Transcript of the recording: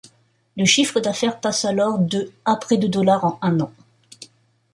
Le chiffre d'affaires passe alors de à près de dollars en un an.